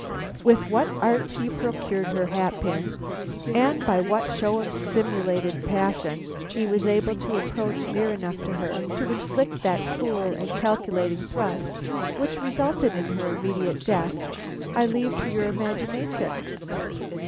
"With what arts he procured her hat pin, and by what show of simulated passion he was able to approach near enough to her to inflict that cool and calculating thrust which resulted in her immediate death, I leave to your imagination.